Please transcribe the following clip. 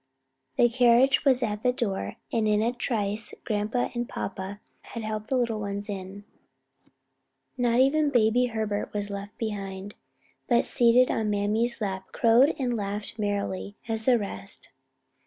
The carriage was at the door and in a trice grandpa and papa had helped the little ones in: not even Baby Herbert was left behind, but seated on his mammy's lap crowed and laughed as merrily as the rest.